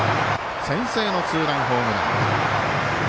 先制のツーランホームラン。